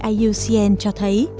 iucn cho thấy